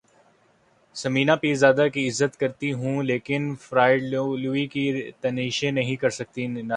ثمینہ پیرزادہ کی عزت کرتی ہوں لیکن فیئر اینڈ لولی کی تشہیر نہیں کرسکتی نادیہ